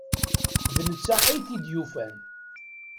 D netta ay t-id-yufan.